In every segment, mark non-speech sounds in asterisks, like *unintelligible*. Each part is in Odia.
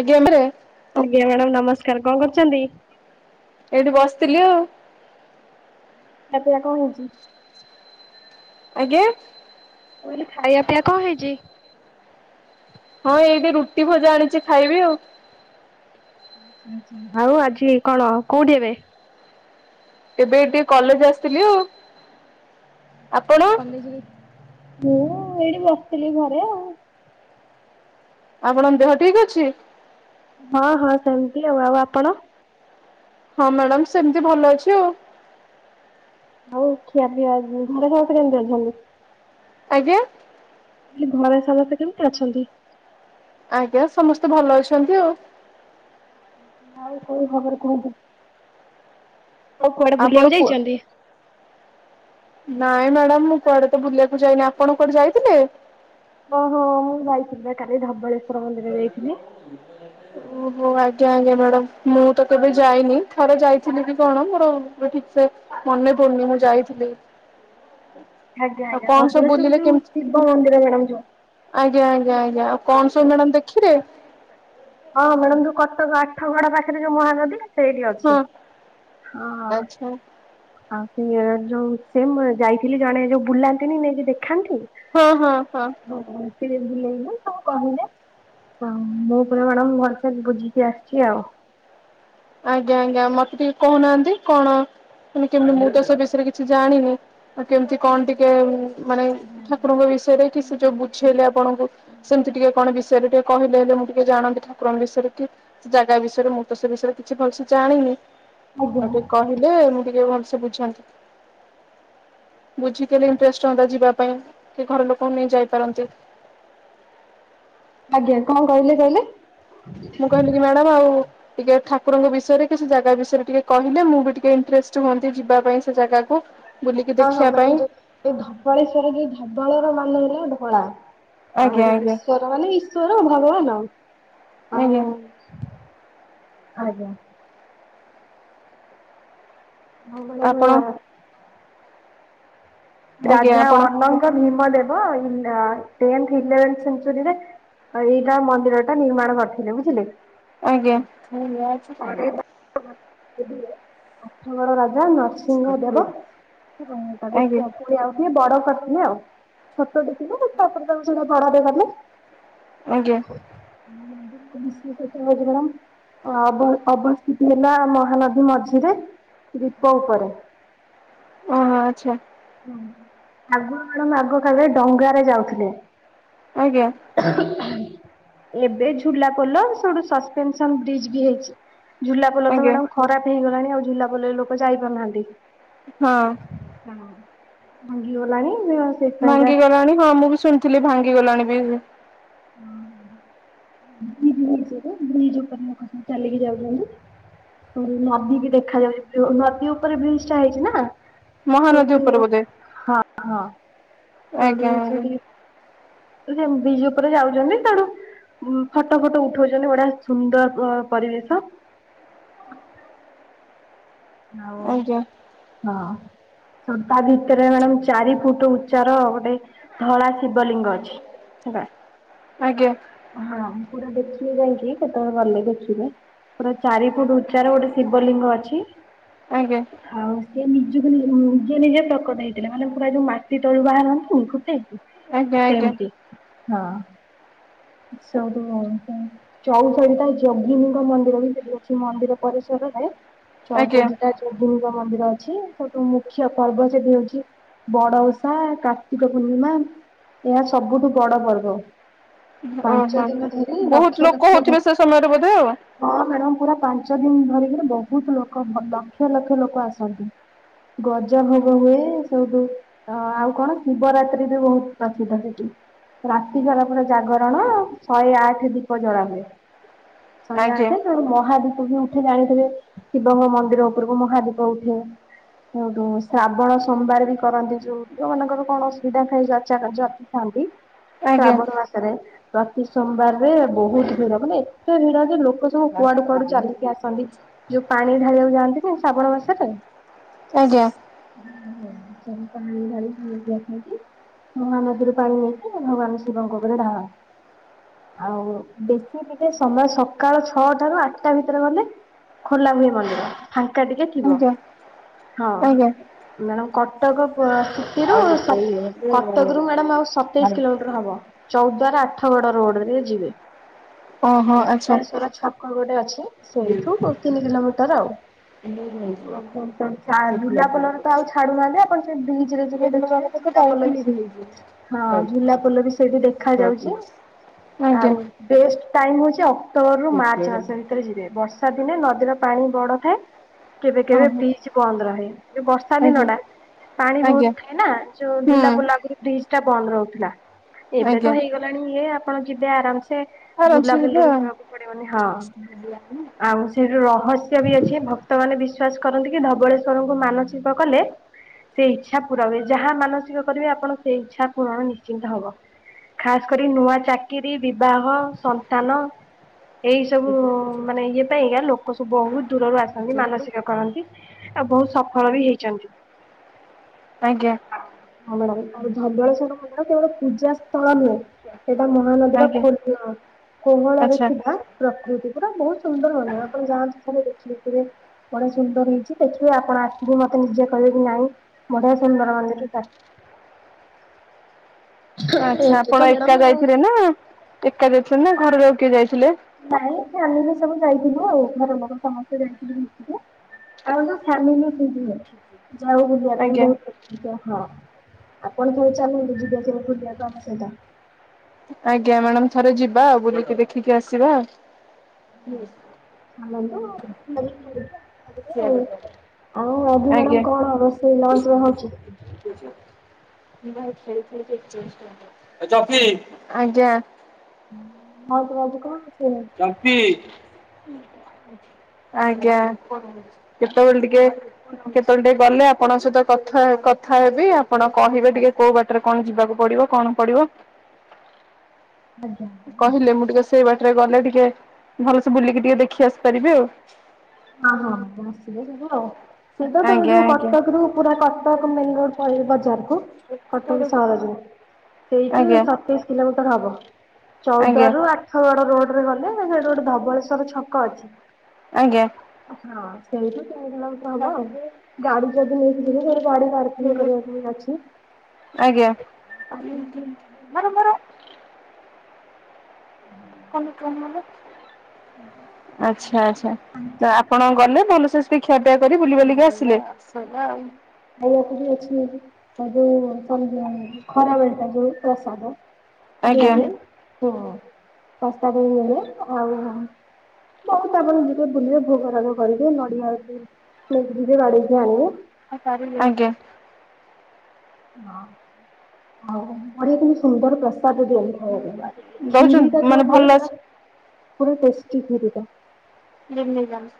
ଆଜ୍ଞା ମ୍ୱିରେ। ଆଜ୍ଞା ମ୍ୟାଡାମ ନମସ୍କାର କଁ କରଚନ୍ତି? ଏଇଠି ବସଥିଲି ଆଉ। ଖିଆ ପିଆ କଁ ହେଇଚି? ଆଜ୍ଞା ମୁ କହିଲି ଖାଇଆ ପିଇଆ କଁ ହେଇଚି? ହଁ ଏଇଠି ରୁଟି ଭଜା ଆଣିଚି ଖାଇବି ଆଉ। ଆଛା ଆଉ ଆଜି କଣ କୋଉଠି ଏବେ? ଏବେ ଏଇ ଟିକେ କଲେଜ ଆସିଥିଲି ଆଉ। ଆପଣ କଲେଜରେ ମୁଁ ଏଇଠି ବସଥିଲି ଘରେ ଆଉ। ଆପଣଙ୍କ ଦେହ ଠିକ ଅଛି? ହଁ ହଁ ସେମତି ଆଉ ଆଉ ଆପଣ? ହଁ ମ୍ୟାଡ଼ାମ ସେମିତି ଭଲ ଅଛି ଆଉ। ହୋଉ ଖିଆ ପିଇଆ ଆଜି ଘରେ ସମସ୍ତେ କେମିତି ଅଛନ୍ତି? ଆଜ୍ଞା ହେ ଘରେ ସମସ୍ତେ କେମତି ଅଛନ୍ତି? ଆଜ୍ଞା ସମସ୍ତେ ଭଲ ଅଛନ୍ତି ଆଉ। ଆଉ କୋଉ ଖବର କୁହନ୍ତୁ ଆଉ କୁଆଡେ ଆପଣ ବୁଲିବାକୁ କୁ ଯାଇଚନ୍ତି? ନାଇଁ ମ୍ୟାଡାମ ମୁଁ କୁଆଡେ ତ ବୁଲିବାକୁ ଯାଇନି ଆପଣ କୁଆଡେ ଯାଇଥିଲେ? ଓହୋ ମୁଁ ଯାଇଥିଲି ପା କାଲି ଧବଳେଶ୍ଵ ହୁଁ। ଓହୋ ଆଜ୍ଞା ଆଜ୍ଞା ମ୍ୟାଡାାମ ମୁଁ ତ କେବେ ଯାଇନି ଥରେ ଯାଇଥିଲି କି କଣ ମୋର ଠିକ ସେ ମନେ ପଡନି ମୁଁ ଯାଇଥିଲି। ଆଜ୍ଞା ଆଉ ଆଜ୍ଞା କଣ ସବୁ ଧବଳେଶ୍ୱର ବୁଲିଲେ ଯୋଉ କେମତି ଶିବ ମନ୍ଦିର ମ୍ୟାଡାମ ଯୋଉ। ଆଜ୍ଞା ଆଜ୍ଞା ଆଜ୍ଞା ଆଉ କଣ ସ ହମ ଦେଖିରେ ହଁ ମ୍ୟାଡ଼ାମ ଯୋଉ କଟକ ଆଠ ଗଡ ପାଖରେ ଯୋଉ ମହାନଦୀ ସେଇଠି ହଁ ଅଛି ହଁ। ଆଚ୍ଛା ଆଉ ସିଏ ଯୋଉ ସେମ ଯାଇଥିଲି ଜଣେ ଯୋଉ ବୁଲାନ୍ତିନି ନେଇକି ଦେଖାନ୍ତି ହଁ ହଁ ହଁ। ହିଥିରେ ବୁଲେଇବ ତାଙ୍କୁ କହିଲେ ମୁଁ ପୁରା ମ୍ୟାଡ଼ାମ ଭଲସେ ବୁଝିକି ଆସିଛି ଆଉ। ଆଜ୍ଞା ଆଜ୍ଞା ମତେ ଟିକେ କହୁନାହାନ୍ତି କଣ? ତମେ କେମତି ମୁଁ ଦୋଷ ବିଷୟରେ କିଛି ଜାଣିନି ଆଉ କେମିତି କଣ ଟିକେ ମାନେ ଠାକୁରଙ୍କ ବିଷୟରେ କି ସେ ଯୋଉ ବୁଝେଇଲେ ଆପଣଙ୍କୁ ସେମିତି ଟିକେ କଣ ବିଷୟରେ ଟିକେ କହିଲେ ହେଲେ ମୁଁ ଟିକେ ଜାଣନ୍ତି ଠାକୁରଙ୍କ ବିଷୟରେ କି ସେ ଜାଗା ବିଷୟରେ ମୁଁ ତ ସେ ବିଷୟରେ କିଛି ଭଲସେ ଜାଣିନି ଆଜ୍ଞା ଆଉ ଟିକେ କହିଲେ ମୁଁ ଟିକେ ଭଲସେ ବୁଝନ୍ତି। ବୁଝିଥିଲେ ଇଣ୍ଟଷ୍ଟ ହୁଅନ୍ତା ଯିବା ପାଇଁ କି ଘର ଲୋକଙ୍କୁ ନେଇ ଯାଇପାରନ୍ତି। ଆଜ୍ଞା। କଣ କହିଲେ କହିଲେ? ମୁଁ କହିଲି କି ମ୍ୟାଡ଼ାମ ଆଉ ଟିକେ ଠାକୁରଙ୍କ ବିଷୟରେ କି ସେ ଜାଗା ବିଷୟରେ ଟିକେ କହିଲେ ମୁଁ ବି ଟିକେ ଇଣ୍ଟରେଷ୍ଟ ହୁଅନ୍ତି ଯିବା ପାଇଁ ସେ ଜାଗାକୁ। ବୁଲିକି ହଁ ହଁ ଦେଖିବା ମ୍ୟାଡାମ ପାଇଁ। ଯୋଉ ଏଇ ଧବଳେଶ୍ଵର ଯୋଉ ଧବଳର ମାନ ହେଲା ଧଳା ଆଉ ଆଜ୍ଞା ଆଜ୍ଞା ଈଶ୍ବର ମାନେ ଈଶ୍ବର ଉ ଭଗବାନ ଆଉ। ଆଜ୍ଞା। ଆଜ୍ଞା। ହଁ ଆପଣ *unintelligible* ଆଜ୍ଞା ରାଜା ଆପଣ ଅନଙ୍କଭୀମଦେବ ଇ ଟେନ୍ଥ ଇଲେଭେନ୍ ସେନ୍ଚୁରିରେ ଏଇଟା ମନ୍ଦିର ଟା ନିର୍ମାଣ କରିଥିଲେ। ବୁଝିଲେ। ଆଜ୍ଞା। ଆ *unintelligible* ଆଠଗଡ ରାଜା ନରସିଂହ ଦେବ ତାକୁ ଆଜ୍ଞା *unintelligible* ପୁଣି ଆଉ ଟିକେ ବଡ କରିଥିଲେ ଆଉ ଛୋଟ ଥିଲା, ପୁଣି ତାଙ୍କୁ ସେଟା ବଡରେ କଲେ। ଆଜ୍ଞା। *unintelligible* ଅବ ଅବସ୍ଥିତି ହେଲା ମହାନଦୀ ମଝିରେ, ଦୀପ ଉପରେ। ହଁ ଆଛା। ଆଗ କାଳେ ଆଗକାଲିରେ ଡଙ୍ଗା ରେ ଯାଉଥିଲେ। ଆଜ୍ଞା। ଏବେ ଝୁଲା ପୋଲ ସଠୁ ସସପେନସନ ବ୍ରିଜ ବି ହେଇଛି। ଝୁଲାପୋଲ ତ ଆଜ୍ଞା ମ୍ୟାଡାମ ଖରାପ ହେଇଗଲାଣି, ଆଉ ଝୁଲାପୋଲରେ ଲୋକ ଯାଇପାରୁନାହାନ୍ତି। ହଁ। ହଁ। ଭାଙ୍ଗି ଗଲାଣି। ଭାଙ୍ଗି ଗଲାଣି ହଁ ମୁଁ ବି ଶୁଣିଥିଲି ଭାଙ୍ଗି ଗଲାଣି ବି। ବ୍ରିଜ ହେଇଚି ଗୋଟେ ବ୍ରିଜ ଉପରେ ଲୋକ ସବୁ ଚାଲିକି ଯାଉଛନ୍ତି। ନଦୀ କି ଦେଖାଯାଉଛି ନଦୀ ଉପରେ ବ୍ରିଜ ଟା ହେଇଛି ନା? ମହାନଦୀ ଉପରେ ବୋଧେ ହଁ ହଁ। ସେଠୁ ଆଜ୍ଞା ଆଜ୍ଞା ସେଠିକେ ସେ ବ୍ରିଜ ଉପରେ ଯାଉଛନ୍ତି ତେଣୁ ଉ ଫଟୋ ଫଟ ଉଠଉଛନ୍ତି ବଢିଆ ସୁନ୍ଦର ପରିବେଶ। ହଉ ଆଜ୍ଞା। ହଁ। ତା ଭିତରେ ମ୍ୟାଡମ ଚାରି ଫୁଟ ଉଚ୍ଚାର ଗୋଟେ ଧଳା ଶିବଲିଙ୍ଗ ଅଛି। ହେଲା। ଆଜ୍ଞା। ହଁ ପୁରା ଦେଖିବେ ଯାଇକି କେତେବେଳେ ଗଲେ ଦେଖିବେ। ପୁରା ଚାରି ଫୁଟ ଉଚ୍ଚାର ଗୋଟେ ଶିବଲିଙ୍ଗ ଅଛି। ଆଜ୍ଞା। ଆଉ ସିଏ ନିଜକୁ ନିଜେ ନିଜେ ପ୍ରକଟ ହେଇଥିଲା। ମାନେ ପୁରା ଯୋଉ ମାଟି ତଳୁ ବାହାରନ୍ତି ଫୁଟେଇକି। ଆଜ୍ଞା ଆଜ୍ଞା ସେମତି, ହଁ ସବୁ ଚଉଷଠି ଟା ଯଗିନୀଙ୍କ ମନ୍ଦିର ବି ସେଠି ଅଛି। ମନ୍ଦିର ପରିସରରେ ଆଜ୍ଞା ଚଉଷଠି ଯୋଗିନୀଙ୍କ ମନ୍ଦିର ଅଛି। ସବଠୁ ମୁଖ୍ୟ ପର୍ବ ସେଠି ହଉଛି ବଡଓଷା, କାର୍ତ୍ତିକ ପୂର୍ଣ୍ଣିମା ଏହା ସବୁଠୁ ବଡ ପର୍ବ। ପାଞ୍ଚ ଓହୋ ଦିନ ଧରି ବହୁତ ଲକ୍ଷ ଲୋକ ଲକ୍ଷ ଭ ହଉଥିବେ ସେ ସମୟରେ ବୋଧେ ଆଉ ହଁ ମ୍ୟାଡାମ ପୁରା ପାଞ୍ଚ ଦିନ ଧରିକିରି ବହୁତ ଲୋକ ଭ ଲକ୍ଷ ଲକ୍ଷ ଲୋକ ଆସନ୍ତି। ଗଜ ହୋଗ ହୁଏ ସବୁ ତ ଆଉ କଣ ଶିବରାତ୍ରି ବି ବହୁତ ପ୍ରସିଦ୍ଧ ସେଠି। ରାତିସାରା ପୁରା ଜାଗରଣ ଶହେ ଆଠ ଦୀପ ଜଳା ହୁଏ। ଶହ ଆଜ୍ଞା ଆଠେ ନେହେଲେ ମହାଦୀପ ବି ଉଠେ ଜାଣିଥିବେ ଶିବଙ୍କ ମନ୍ଦିର ଉପ ଉପରକୁ ମହାଦୀପ ଉଠେ। ସେଉଠୁ ଶ୍ରାବଣ ସୋମବାର ବି କରନ୍ତି ଯୋଉ ଯୋଉ ମାନଙ୍କର କଣ ଅସୁବିଧା ହେଇଚି *unintelligible* ଥାନ୍ତି। ଆଜ୍ଞା ଶ୍ରାବଣ ମାସରେ ପ୍ରତି ସୋମବାରରେ ବହୁତ ଭିଡ ମାନେ ଏତେ ଭିଡ ଯେ ଲୋକ ସବୁ କୁଆଡୁ କୁଆଡୁ ଚାଲିକି ଆସନ୍ତି ଯୋଉ ପାଣି ଢାଳିବାକୁ ଯାଆନ୍ତିନି ଶ୍ରାବଣ ମାସରେ ଆଜ୍ଞା। ସବୁ ପାଣିଢାଳିକି *unintelligible* ଆସନ୍ତି। ମହାନଦୀରୁ ପାଣି ନେଇକି ଭଗବାନ ଶିବଙ୍କ ଉପରେ ଢାଳ। ଆଉ ବେଶୀ ଟିକେ ସମୟ ସକାଳ ଛଅଟାରୁ ଆଠଟା ଭିତରେ ଗଲେ ଖୋଲା ହୁଏ ମନ୍ଦିର। ଫାଙ୍କା ଟିକେ ଥିବ ଆଜ୍ଞା ହଁ ଆଜ୍ଞା ମ୍ୟାଡ଼ମ୍ କଟକ ସେଥିରୁ ସତ କଟକରୁ ମ୍ୟାଡାମ ଆଉ ସତେଇଶ କିଲୋମିଟ ହବ ଚୌଦ୍ୱାର ଆଠଗଡ ରୋଡରେ ଯିବେ। ଓହୋ ଆଚ୍ଛା ଧବଳେଶ୍ଵର ଛକ ଗୋଟେ ଅଛି ସେଇଠୁ ଦୋ ତିନି କିଲୋମିଟର ଆଉ। ଓହୋ ଚା ଝୁଲାପୋଲରେ ତ ଆଉ ଛାଡୁନାହାନ୍ତି ଆପଣ ସେ ବ୍ରିଜରେ ଯିବେ ଦେଖିବେ। ଝୁଲା ପୋଲ ବି ସେ ହଁ ଝୁଲା ପୋଲ ବି ସେଇଠି ଦେଖାଯାଉଛି। ଆଜ୍ଞା। ବେଷ୍ଟ ଟାଇମ୍ ହେଉଛି ଅକ୍ଟୋବରରୁ ମାର୍ଚ୍ଚ ମାସ ଭିତରେ ଯିବେ ବର୍ଷା ଦିନେ ନଦୀର ପାଣି ବଡ଼ ଥାଏ। କେବେ କେବେ ଓହୋ ବିଚ ବନ୍ଦ ରହେ ଯୋଉ ବର୍ଷା ଆଜ୍ଞା ଦିନଟା। ପାଣି ବହୁତ ଆଜ୍ଞା ଥାଏ ନା ଯୋଉ ହୁଁ ଝୁଲା ପୋଲ ଆଗରୁ ବ୍ରିଜ ଟା ବନ୍ଦ ରହୁଥିଲା। ଏବେ ତ ଆଜ୍ଞା ହେଇଗଲାଣି ଇଏ ଆପଣ ଯିବେ ଆରାମ ସେ ସେ ଆରାମସେ ଯିବେ ଝୁଲାପୋଲରେ ଆଉ ଯିବାକୁ ପଡିବନି ହଁ ଆଉ ସେଠୁ ରହସ୍ୟ ବି ଅଛି ଭକ୍ତମାନେ ବିଶ୍ୱାସ କରନ୍ତି କି ଧବଳେଶ୍ୱରଙ୍କୁ ମାନଚିକ କଲେ ସେ ଇଚ୍ଛା ପୁରା ହୁଏ। ଯାହା ମାନସିକ କରିବେ ଆପଣ ସେ ଇଚ୍ଛା ପୂରଣ ନିଶ୍ଚିନ୍ତ ହବ। ଖାସ କରି ନୂଆ ଚାକିରି ବିବାହ ସନ୍ତାନ ଏଇସବୁ ମାନେ ଇଏ ପାଇଁକା ଲୋକ ସବୁ ବହୁତ ଦୂରରୁ ଆସନ୍ତି ମାନସିକ କରନ୍ତି। ଆଉ ବହୁତ ସଫଳ ବି ହେଇଛନ୍ତି। ଆଜ୍ଞା ହଁ ମ୍ୟାଡ଼ମ ଆଉ ଧବଳେଶ୍ୱର ମନ୍ଦିର କେବଳ ପୂଜା ସ୍ଥଳ ନୁହେଁ। ଏଇଟା ମହାନଦୀର ଆଜ୍ଞା ଖୋଲ କୋହଳରେ ଆଚ୍ଛା ଥିବା ପ୍ରକୃତି ପୁରା ବହୁତ ସୁନ୍ଦର ବନ ଆପଣ ଯାଆନ୍ତୁ ଥରେ ଦେଖିବେ। ବେ ବଢିଆ ସୁନ୍ଦର ହେଇଛି ଦେଖିବେ ଆପଣ ଆସିବେ ମତେ ନିଜେ କହିବେ କି ନାଇଁ ବଢ଼ିଆ ସୁନ୍ଦର ମାନେ *unintelligible* ଆଛା ଏମିତି ତ ଆପଣ ମ୍ୟାଡ଼ାମ ଏକା ଆଉ। ଯାଇଥିଲେ ନା ଏକା ଯାଇଥିଲେ ନା ଘରେ ଲୋକ କିଏ ଯାଇଥିଲେ? ନାଇଁ ଫ୍ୟାମିଲି ସବୁ ଯାଇଥିଲୁ ଆଉ ଘର ଲୋକ ସମସ୍ତେ ଯାଇଥିଲୁ ମିଶିକ। ଆମେ ସବୁ ଫ୍ୟାମିଲି *unintelligible* ଯାଉ ବୋଲିିବା ପାଇଁ ଆଜ୍ଞା ବହୁତ *unintelligible* ହଁ ଆପଣ ଥରେ ଚାଲନ୍ତୁ ଯିବ ସବୁ ବୁଲିବାକୁ ଆମ ସହିତ। ଆଜ୍ଞା ମ୍ୟାଡାମ ଥରେ ଯିବା ବୁଲିକି ଦେଖିକି ଆସିବା। ଚାଲନ୍ତୁ *unintelligible* ବୁଲିକି ଆସିବା ଟିକେ ଆଉ। ଆଉ ଆଜି ମ୍ୟାଡାମ କଣ ରୋଷେଇ ଲଞ୍ଚ ରେ ହଉଛି? ଏଚମ୍ପି ଆଜ୍ଞା। ଆଉ ଘରୁ କଣ ରୋଷେଇ କରିଥିଲେ? ଚମ୍ପି ଆଜ୍ଞା। କେତୋ ବେଳେ ଟିକେ କେତେବେଳେ ଟିକେ ଗଲେ ଆପଣଙ୍କ ସହିତ କଥା କଥା ହେବି ଆପଣ କହିବେ ଟିକେ କୋଉ ବାଟ। ରେ କଣ ଯିବାକୁ ପଡିବ କଣ ପଡିବ। କହିଲେ ମୁଁ ଟିକେ ସେଇ ବାଟରେ ଗଲେ ଟିକେ ଭଲସେ ବୁଲିକି ଟିକେ ଦେଖି ଆସି ପାରିବି ଆଉ। ହଁ ହଁ ଆପଣ ଆସି ବେ ଯିବୁ ଆଉ। ସିଧା ତମ ଆଜ୍ଞା ଯୋଉ ଆଜ୍ଞା କଟକ ରୁ ପୁରା କଟକ ମେନେ ରୋଡ ପଡିଚି ବଜାର କୁ। କଟକ ସହର ରୁ ସେଇଠୁ ଆଜ୍ଞା ସତେଇଶ କିଲୋମିଟର ହବ ଚଉଦ୍ୱ ଆଜ୍ଞା ରୁ ଆଠ୍ ଆଠଗଡ଼ ରୋଡରେ ରେ ଗଲେ ସେଇଠୁ ଗୋଟେ ଧବଳେଶ୍ଵର ଛକ ଅଛି। ଆଜ୍ଞା। ହଁ ସେଇଠୁ ସେଉଠୁ ତିନି କିଲୋ ମି ହବ ଗାଡି ଯଦି ନେଇକି ଯିବୁ ସେଇଠି ଗାଡି ପାର୍କିଂ ଙ୍ଗି କରିବାକୁ ଵି ଅଛି। ଆଜ୍ଞା। ହରେ ମୋର। ହୁଁ ଆଚ୍ଛା ଆଛା ତ ଆପଣ ଗଲେ ତାପରେ ସେ ଟିକେ ଖିଆପିଆ କରି ବୁଲିବାଲିକି ଆସିଲେ। ହଁ ଖାଇବାକୁ ବି ଅଛି ତାର ଯୋଉ ଖରା ବେଳଟା ଯୋଉ। ପ୍ରସାଦ ଦଆ ଆଜ୍ଞା ହୁଏ। ହୁଁ ପ୍ରସାଦ ଦେଲେ ଆଉ ହଁ। ବହୁତୁ ଆପଣ ଯିବେ ବୁଲିବେ ଭୋଗରାଗ କରିବେ ନଡିଆ ଆଛି ନେଇକି ଯିବେ ବାଡେଇକି ଆଣିବେ। ହଁ ସାରିଲେ ଆଜ୍ଞା। ହଁ ଆଉ ଅଡେଇ କିମିତି ସୁନ୍ଦର ପ୍ରସାଦ ଦିଅନ୍ତି। ଖିରି ଟା ଦଉଛନ୍ତି ଯୋଉ ମାନେ ହୁଏ ଭଲ ପୁରା ପୁରା ଟେଷ୍ଟି ଖିରି ଟା। ଦିଲ୍ଲୀ ବ୍ରାଞ୍ଚ।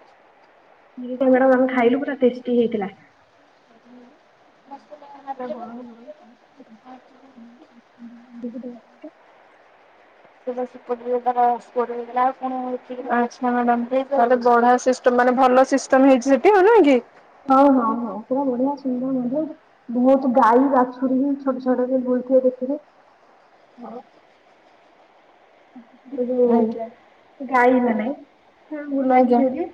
ଖିରିଟା ମଡାମ୍ ଆମେ ଖାଇଲୁ ପୁରା ଟେଷ୍ଟି ହେଇଥିଲା। *inaudible* ସେଟା ଗରମ ନଗର। ଶିତଦିନରେ ତାର ପୁଅଟେ ହେଇଥିଲା ପୁଣି ଵଢା ଅଛି। *inaudible* ତମାନେ ଭଲ ସିଷ୍ଟମ ହେଇଚି ହେଟି ନୁହେଁ କି। ହଉ ହଉ ହଉ ବଢିଆ ସୁନ୍ଦର ମଧ୍ୟ। ବୋହତୁ ଗାଈ ବା ଛୁରୀ ଛୋଟ ଛୋଟ ଯୋଉ ବୁଲୁଥୁବେ ଦେଖିବେ। ସେ ଯୋଉ ଆଜ୍ଞା ଗାଈ ମାନେ ସେ ବୁଲନ୍ତି ଆଜ୍ଞା ସେଠି।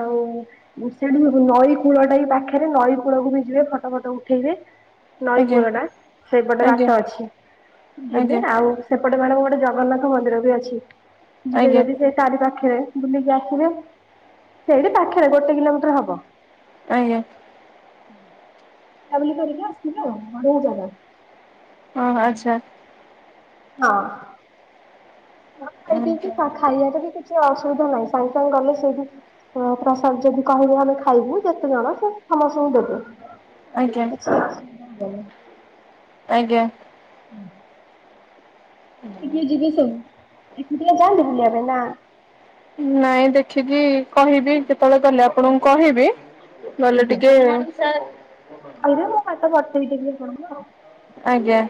ଆଉ। ସେଇଠି ନଈ କୂଳ ଟା ବି ପାଖରେ ନଈ କୂଳକୁ ବି ଯିବେ ଫଟ ଫଟ ଉଠେଇବେ। ନଈ ଆଜ୍ଞା ଫୂଳ ଟା ସେପଟେ ଆଜ୍ଞା ବାଟ ଅଛି ଯିବେ ଆଜ୍ଞା ଆଉ ସେପଟେ ଗଲେ ଗୋଟେ ଯ ଜଗନ୍ନାଥ ମନ୍ଦିର ବି ଅଛି। ଯିବେ ଆଜ୍ଞା ଯେଦି ସେ ତାରି ପାଖେରେ ବୁଲିକି ଆସିବେ। ସେଇଠି ପାଖେରେ ଗୋଟେ କିଲୋମିଟର ହବ। ଆଜ୍ଞା। ବୁଲା ବୁଲି କରିକି ଆସିବେ ଆଉ ବଢିଆ ଜାଗା। ହଁ ଆଚ୍ଛା। ହଁ। ହଁ ଖାଇ ପିକି ଆଜ୍ଞା ଖାଇବାରେ ବି କିଛି ଅସୁବିଧା ନାହିଁ ସାଙ୍ଗେ ସାଙ୍ଗେ ଗଲେ ସେ ବି ପ୍ରସାଦ ଯଦି କହିବେ ଆମେ ଖାଇବୁ ଯେତେ ଜଣ ସେ ସମସ୍ତଙ୍କୁ ଦେବେ। ଆଜ୍ଞା। କିଛି ଅସୁବିଧା ହବନି ଆଜ୍ଞା। କିଏ କିଏ ଯିବେ ସୁନ ଏକୁଟିଆ ଯାଆନ୍ତି ବୁଲିବା ପାଇଁ ନା ନାଇଁ ଦେଖିକି କହିବି କେତେବେଳେ ଗଲେ ଆପଣଙ୍କୁ କହିବି ଗଲେ ଟିକେ ସାର କହିଲେ ମୁଁ ବାଟ ବତେଇି ଦେବି ଆପଣଙ୍କୁ ଆଉ। ଆଜ୍ଞା।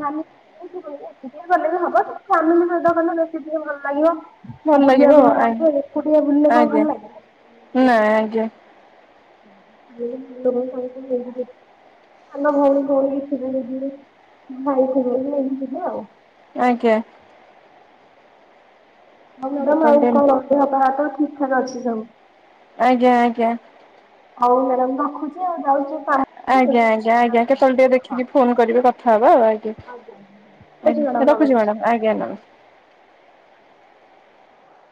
ହଁ ଏକୁଟିଆ ଗଲେ ବି ହବ କିନ୍ତୁ ଫାମିଲି ସହିତ ଗଲେ ବେଶୀ ଟିକେ ଭଲ ଲାଗିବ। ଭଲ ଲାଗିବ ବୁଲିଆକୁ ଭଲ ଆଉ ଲାଗିବ ଏକୁଟିଆ ବୁଲିଲେ କଣ ଭଲ ଲାଗେ? ନା ଆଜ୍ଞା। *inaudible* ସାନ ଭଉଣୀ ଫଉଣୀ ବି ଥିବେ ଯଦି ଭାଇ ଥିବେ ବି ଯିବ ଆଉ। ଆଜ୍ଞା। ହଁ ମ୍ୟାଡାମ ଆଉ କଣ ଦେହ ପା ତ ଠିକ ଠାକ ଅଛି ସବୁ। ଆଜ୍ଞା ଆଜ୍ଞା। ହଉ ମ୍ୟାଡାାମ ରଖୁଚି ଆଉ ଯାଉଚି ଆଜ୍ଞା ଆଜ୍ଞା ଆଜ୍ଞା କେତେବେଳେ ଟିକେ ହଁ ଦେଖିକି ଫୋନ କରିବେ କଥା ହବା ଆଉ ଆଜ୍ଞା। ଆ ଆଜ୍ଞା ରହୁଛି ମ୍ୟାଡ଼ାମ ରଖୁଚି ମ୍ୟାଡାମ ଆଜ୍ଞା ନମସ୍କାର। ନମସ୍